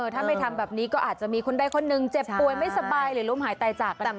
ถ้าไม่ทำแบบนี้ก็อาจจะมีคนใดคนหนึ่งเจ็บป่วยไม่สบายหรือล้มหายตายจากก็ได้